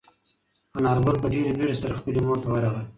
انارګل په ډېرې بیړې سره خپلې مور ته ورغی.